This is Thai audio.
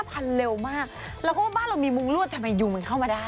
พันเร็วมากแล้วก็บ้านเรามีมุ้งรวดทำไมยุงมันเข้ามาได้